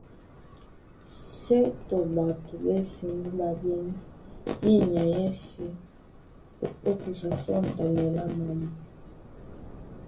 Sětɔ ɓato ɓásɛ̄ ndé ɓá ɓɛ́n yí nyay yɛ́sē ó kusa sɔ̂ŋtanɛ lá mambo.